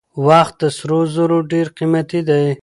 وخت تر سرو زرو ډېر قیمتي دی.